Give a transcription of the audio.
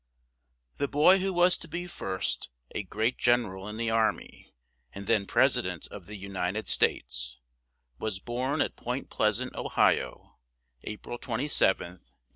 The boy who was to be first a great gen er al in the ar my, and then Pres i dent of the U nit ed States, was born at Point Pleas ant, O hi o, A pril 27th, 1822.